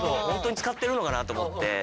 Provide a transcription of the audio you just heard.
本当に使ってるのかなと思って。